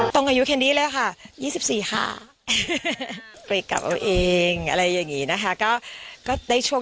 ตรงอายุแคนดี้แล้วค่ะ๒๔ค่ะไปกลับเอาเองอะไรอย่างนี้นะคะก็ก็ได้ช่วง